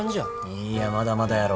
いいやまだまだやろ。